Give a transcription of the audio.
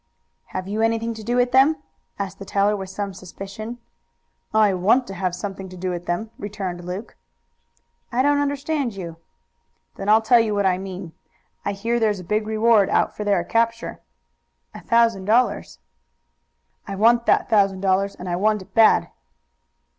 "Have you anything to do with them?" asked the teller with some suspicion. "I want to have something to do with them," returned Luke. "I don't understand you." "Then I'll tell you what I mean. I hear there's a big reward out for their capture." "A thousand dollars." "I want that thousand dollars, and I want it bad."